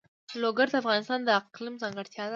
لوگر د افغانستان د اقلیم ځانګړتیا ده.